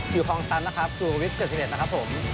อยู่คลองซั้นสู่วิทย์๗๑นะครับ